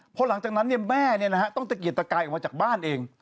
เพราะหลังจากนั้นเนี่ยแม่เนี่ยนะฮะต้องเกดตะไกออกมาจากบ้านเอง